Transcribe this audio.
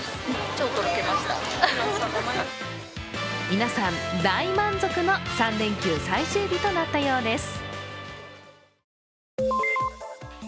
皆さん、大満足の３連休最終日となったようです。